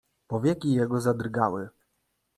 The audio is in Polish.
"Powieki jego zadrgały."